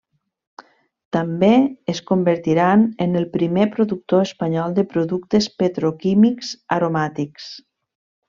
També es convertiran en el primer productor espanyol de productes petroquímics aromàtics.